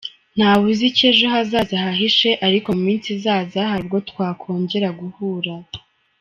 Ntawe uzi icyo ejo hazaza hahishe ariko mu minsi izaza hari ubwo twakongera guhura.